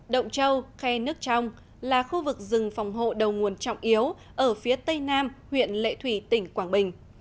động châu khe nước trong là khu vực rừng phòng hộ đầu nguồn trọng yếu ở phía tây nam huyện lệ thủy tỉnh quảng bình